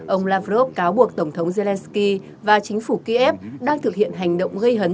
ông lavrov cáo buộc tổng thống zelensky và chính phủ kiev đang thực hiện hành động gây hấn